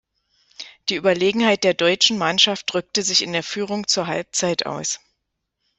Die Überlegenheit der deutschen Mannschaft drückte sich in der Führung zur Halbzeit aus.